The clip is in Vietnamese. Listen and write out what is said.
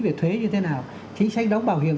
về thuế như thế nào chính sách đóng bảo hiểm